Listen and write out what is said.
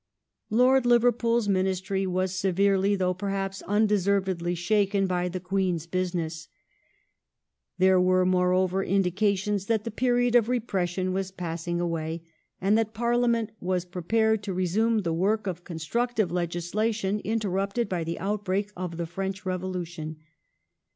Lord Liverpool's Ministry was severely though, perhaps, unde Recon servedly shaken by the "Queen's business". There were, more of t^g over, indications that the period of repression was passing away, Govem and that Parliament was prepared to resume the work of construc tive legislation interrupted by the outbreak of the French Revolu tion.